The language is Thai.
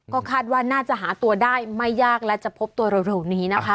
ก็คาดว่าน่าจะหาตัวได้ไม่ยากและจะพบตัวเร็วนี้นะคะ